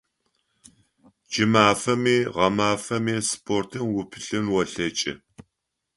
КӀымафэми гъэмафэми спортым упылъын олъэкӀы.